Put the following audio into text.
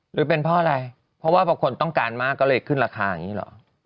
หรือเป็นเพราะอะไรเพราะว่าบางคนต้องการมากก็เลยขึ้นราคาอย่างนี้เหรอ